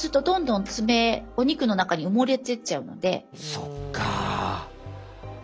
そっか。